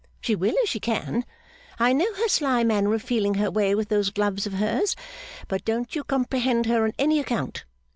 She will if she can. I know her sly manner of feeling her way with those gloves of hers. But don't you comprehend her on any account.